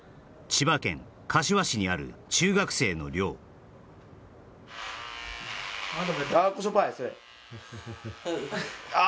千葉県柏市にある中学生の寮あ